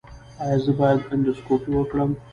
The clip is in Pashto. ایا زه باید اندوسکوپي وکړم؟